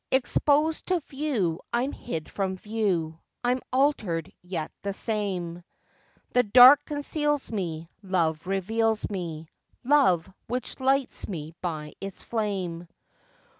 Exposed to view, I'm hid from view, I'm altered, yet the same: The dark conceals me, Love reveals me: Love, which lights me by its flame.